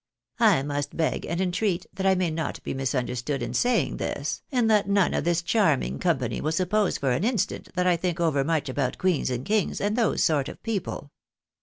I must beg and entreat that I may not be misunderstood in saying this, and that none of this charming company will suppose for an instant that I think overmuch about queens and kings, and those sort of people.